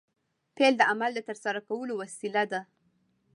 فعل د عمل د ترسره کولو وسیله ده.